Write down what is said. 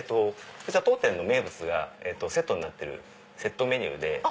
当店の名物がセットになってるセットメニューで。